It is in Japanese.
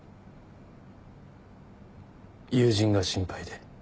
友人が心配で。